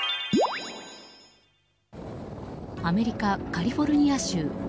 アメリカ・カリフォルニア州。